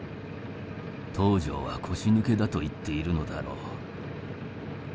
「東条は腰抜けだ」と言っているのだろう。